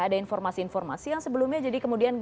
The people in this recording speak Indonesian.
ada informasi informasi yang sebelumnya jadi kemudian